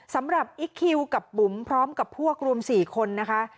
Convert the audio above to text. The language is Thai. สำหรับอิ๊กคิวกับบุ๋มพร้อมกับพวกรวม๔คนนะคะ